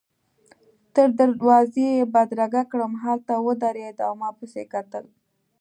تر دروازې يې بدرګه کړم، هلته ودرېدل او ما پسي کتل.